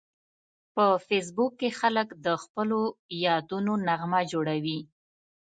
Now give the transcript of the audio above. په فېسبوک کې خلک د خپلو یادونو نغمه جوړوي